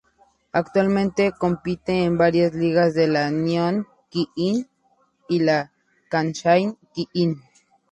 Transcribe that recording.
Actualmente compite en varias ligas de la Nihon Ki-In y la Kansai Ki-in.